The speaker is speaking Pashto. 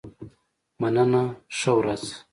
مننه ښه ورځ.